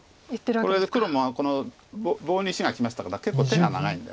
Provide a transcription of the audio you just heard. これで黒もこの棒に石がきましたから結構手が長いんで。